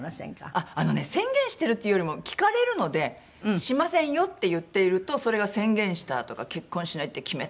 あっあのね宣言してるっていうよりも聞かれるのでしませんよって言っているとそれが宣言したとか結婚しないって決めたみたいな。